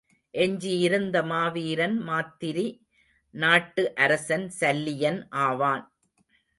எஞ்சியிருந்த மாவீரன் மாத்திரி நாட்டு அரசன் சல்லியன் ஆவான்.